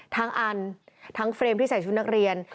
อันทั้งเฟรมที่ใส่ชุดนักเรียน